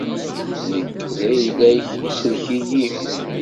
Nekk, d ayla-k, sellek-iyi!